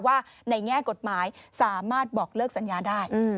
ว่าในแง่กฎหมายสามารถบอกเลิกสัญญาได้